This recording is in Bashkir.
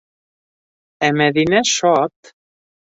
Ә Мәҙинә шат.